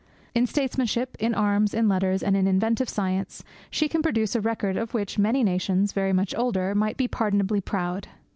In statesmanship, in arms, in letters, and in inventive science, she can produce a record of which many nations, very much older, might be pardonably proud.